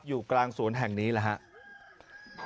อยู่กลางศูนย์แห่งนี้นะครับ